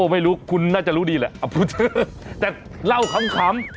ไม่รู้คุณน่าจะรู้ดีแหละแต่เล่าคำ